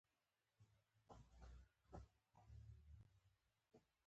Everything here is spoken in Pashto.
محمد عارف د تنگي درې مشهور ښوونکی وو